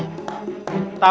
tapi rada atang